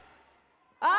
あ！